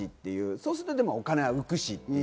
そうするとお金は浮くし。